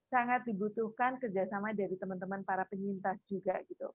sangat dibutuhkan kerjasama dari teman teman para penyintas juga gitu